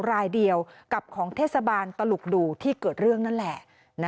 รายเดียวกับของเทศบาลตลุกดูที่เกิดเรื่องนั่นแหละ